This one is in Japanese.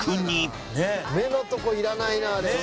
「目のとこいらないなあれ」